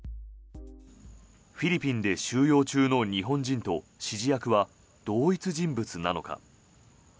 フィリピンで収容中の日本人と指示役は同一人物なのか。